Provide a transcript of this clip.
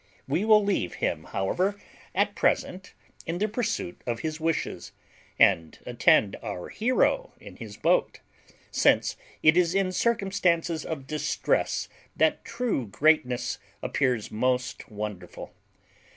We will leave him however at present in the pursuit of his wishes, and attend our hero in his boat, since it is in circumstances of distress that true greatness appears most wonderful.